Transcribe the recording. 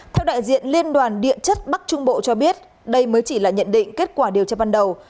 theo đại diện liên đoàn điện chất bắc trung bộ cho biết đây mới chỉ là nhận định kết quả điều tra ban đầu